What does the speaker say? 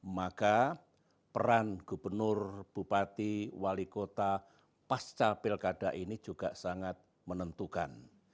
maka peran gubernur bupati wali kota pasca pilkada ini juga sangat menentukan